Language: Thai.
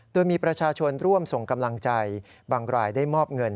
โดยมีประชาชนร่วมส่งกำลังใจบางรายได้มอบเงิน